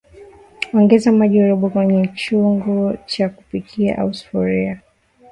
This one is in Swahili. Ongeza maji robo kwenye chungu cha kupikia au sufuria